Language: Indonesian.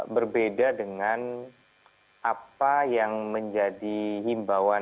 berbeda dengan apa yang menjadi himbauan